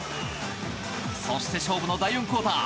そして勝負の第４クオーター。